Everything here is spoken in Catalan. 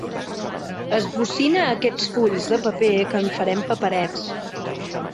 Esbocina aquests fulls de paper, que en farem paperets.